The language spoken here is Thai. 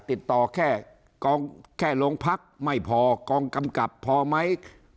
ติดต่อแค่ลงพักไม่พอกลองกำกับพอไหม